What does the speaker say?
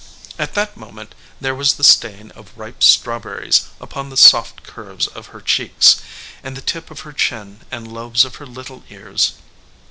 At that moment there was the stain of ripe strawberries upon the soft curves of her cheeks, and the tip of her chin and lobes of her little ears.